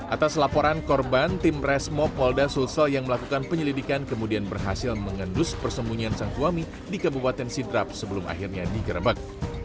atas laporan korban tim resmo polda sulsel yang melakukan penyelidikan kemudian berhasil mengendus persembunyian sang suami di kabupaten sidrap sebelum akhirnya digerebek